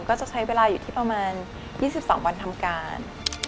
ก็จะใช้เวลาอยู่ที่ประมาณ๒๒วันทำการ